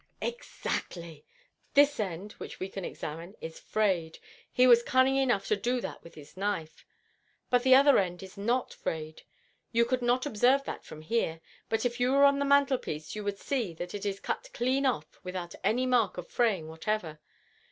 "Exactly. This end, which we can examine, is frayed. He was cunning enough to do that with his knife. But the other end is not frayed. You could not observe that from here, but if you were on the mantelpiece you would see that it is cut clean off without any mark of fraying whatever.